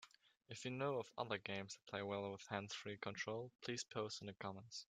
If you know of other games that play well with hands-free control, please post in the comments.